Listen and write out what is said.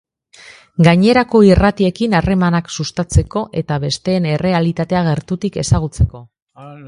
Gainerako irratiekin harremanak sustatzeko eta besteen errealitatea gertutik ezagutzeko